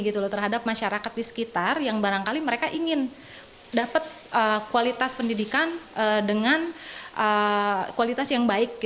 terhadap masyarakat di sekitar yang barangkali mereka ingin dapat kualitas pendidikan dengan kualitas yang baik